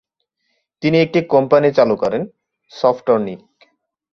তিনি একটি কোম্পানি চালু করেন সফটরণিক।